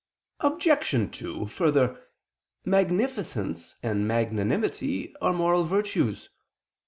Obj. 2: Further, magnificence and magnanimity are moral virtues.